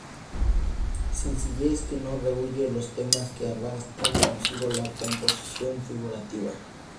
Sencillez que no rehúye los temas que arrastran consigo la composición figurativa.